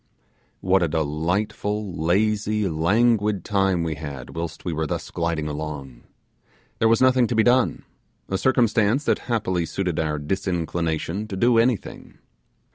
What a delightful, lazy, languid time we had whilst we were thus gliding along! There was nothing to be done; a circumstance that happily suited our disinclination to do anything.